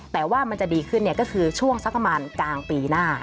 แต่ว่ามันจะดีขึ้นก็คือช่วงสักประมาณกลางปีหน้า